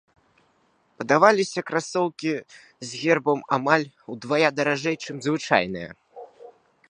Прадаваліся красоўкі з гербам амаль удвая даражэй, чым звычайныя.